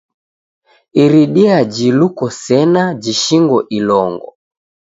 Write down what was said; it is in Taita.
Iridia jiluko sena jishingo ilongo.